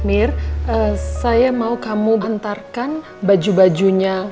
amir eh saya mau kamu bantarkan baju bajunya